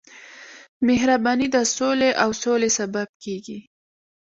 مهرباني د سولې او سولې سبب کېږي.